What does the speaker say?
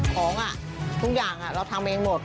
ของทุกอย่างเราทำเองหมด